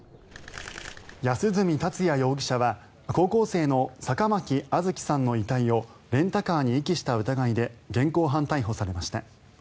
安栖達也容疑者は高校生の坂巻杏月さんの遺体をレンタカーに遺棄した疑いで現行犯逮捕されました。